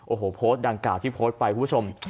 โอ้โหโพสต์ดังกล่าวที่โพสต์ไปคุณผู้ชม